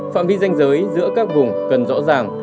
phạm vi danh giới giữa các vùng cần rõ ràng